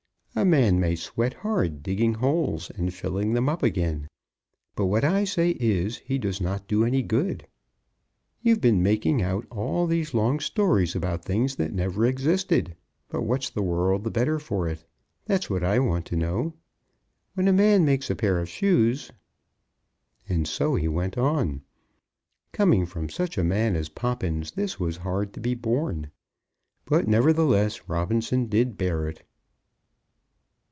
A man may sweat hard digging holes and filling them up again. But what I say is, he does not do any good. You've been making out all these long stories about things that never existed, but what's the world the better for it; that's what I want to know. When a man makes a pair of shoes ." And so he went on. Coming from such a man as Poppins, this was hard to be borne. But nevertheless Robinson did bear it.